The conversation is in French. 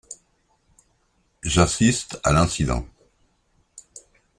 J’assiste à l’incident.